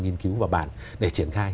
nghiên cứu và bản để triển khai